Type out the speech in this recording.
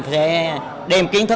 sẽ đem kiến thức